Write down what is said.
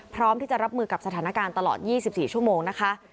พร้อมที่จะรับมือกับสถานการณ์ตลอด๒๔ชั่วโมงนะคะ